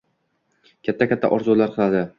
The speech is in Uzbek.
katta-katta orzular qiladi.